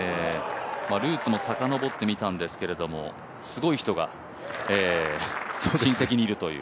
ルーツもさかのぼってみたんですけれども、すごい人が親戚にいるという。